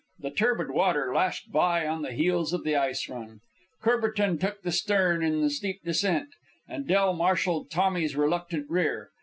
The turbid water lashed by on the heels of the ice run. Courbertin took the stern in the steep descent, and Del marshalled Tommy's reluctant rear.